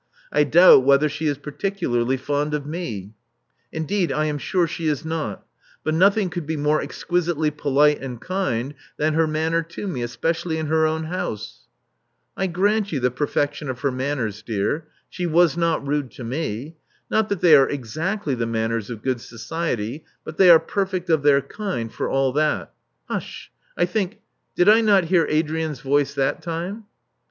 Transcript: '*I doubt whether she is particularly fond of me: indeed, I am sure she is not; but nothing could be more exquisitely polite and kind than her manner to me, especially in her own house. I grant you the perfection of her manners, dear. She was not rude to me. Not that they are exactly the manners of good society ; but they are perfect of their kind, for all that. Hush! I think — did I not hear Adrian's voice that time?"